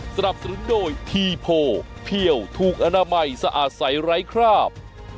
สนับสนุนโดยทีโพเพี่ยวถูกอนามัยสะอาดใสไร้คราบ